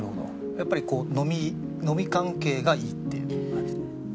やっぱりこう飲み飲み関係がいいっていう感じで？